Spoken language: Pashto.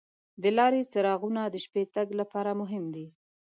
د لارې څراغونه د شپې تګ لپاره مهم دي.